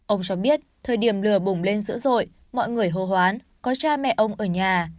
ông cho biết thời điểm lửa bùng lên dữ dội mọi người hồ hoán có cha mẹ ông ở nhà